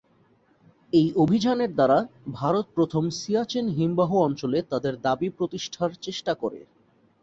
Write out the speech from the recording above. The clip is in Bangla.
এই অভিযানের দ্বারা ভারত প্রথম সিয়াচেন হিমবাহ অঞ্চলে তাদের দাবী প্রতিষ্ঠার চেষ্টা করে।